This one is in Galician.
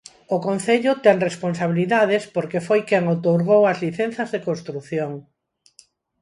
O Concello ten responsabilidades porque foi quen outorgou as licenzas de construción.